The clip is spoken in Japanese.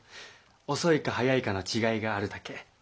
遅いか早いかの違いがあるだけ。